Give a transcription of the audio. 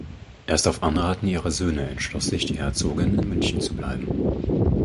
Erst auf Anraten ihrer Söhne entschloss sich die Herzogin in München zu bleiben.